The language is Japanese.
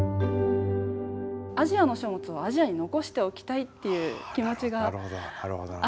アジアの書物はアジアに残しておきたいっていう気持ちがあったので。